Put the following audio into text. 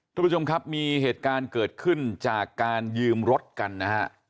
ทุกผู้ชมครับมีเหตุการณ์เกิดขึ้นจากการยืมรถกันนะฮะ